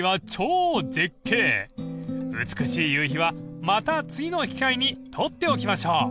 ［美しい夕日はまた次の機会に取っておきましょう］